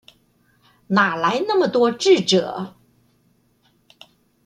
哪來那麼多智者